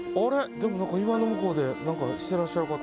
でも何か岩の向こうで何かしてらっしゃる方いてはる。